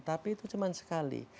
tapi itu cuman sekali